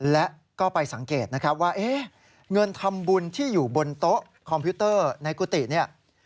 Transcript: และก็ไปสังเกตนะครับว่าเงินทำบุญที่อยู่บนโต๊ะคอมพิวเตอร์ในกุฏิเนี่ย